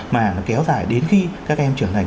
mà nó kéo dài đến khi các em trưởng thành